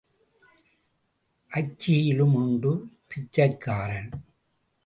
அச்சியிலும் உண்டு பிச்சைக்காரன்.